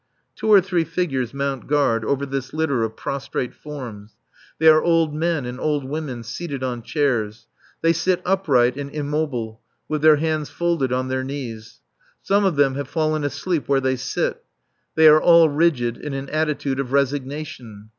Two or three figures mount guard over this litter of prostrate forms. They are old men and old women seated on chairs. They sit upright and immobile, with their hands folded on their knees. Some of them have fallen asleep where they sit. They are all rigid in an attitude of resignation.